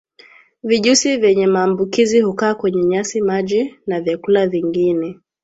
Vijusi vyewe maambukizi hukaa kwenye nyasi maji na vyakula vingine